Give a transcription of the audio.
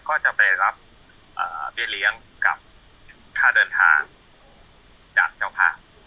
ก็จะไปรับเบี้ยเลี้ยงกับค่าเดินทางจากเจ้าภาพ